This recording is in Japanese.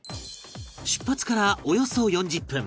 出発からおよそ４０分